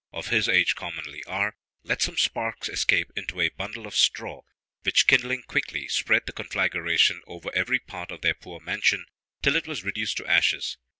] of his age commonly are, let some sparks escape into a bundle of straw, which kindling quickly, spread the conflagration over every part of their poor mansion, till it was reduced to ashes.